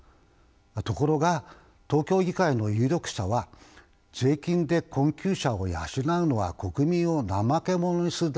ところが東京議会の有力者は税金で困窮者を養うのは国民を怠け者にするだけだと主張します。